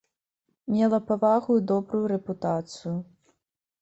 Мела павагу і добрую рэпутацыю.